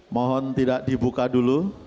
mohon tidak dibuka dulu